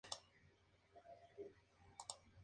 Se publicaron los Vols.